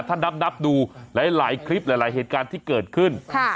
ถ้านับดูหลายคลิปหลายเหตุการณ์ที่เกิดขึ้น